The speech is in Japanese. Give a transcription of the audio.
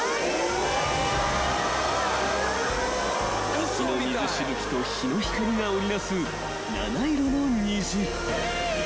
［滝の水しぶきと日の光が織り成す七色の虹］